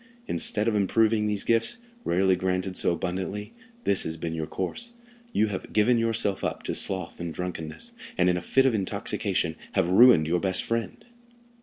Instead of improving these gifts, rarely granted so abundantly, this has been your course—you have given yourself up to sloth and drunkenness, and in a fit of intoxication have ruined your best friend."